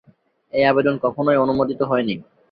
এই আবেদন কখনই অনুমোদিত হয়নি।